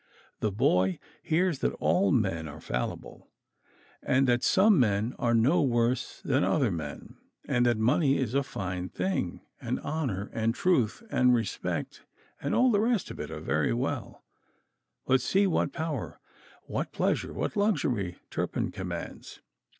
The boy hears that all men are fallible, and that some men are no worse than other men, and that money is a fine thing, and honor and truth and respect and all the rest of it are very well, but see what power, what pleasure, what luxury Turpin commands!